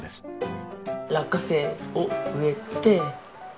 落花生を植えて。